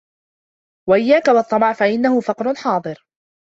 وَإِيَّاكَ وَالطَّمَعَ فَإِنَّهُ فَقْرٌ حَاضِرٌ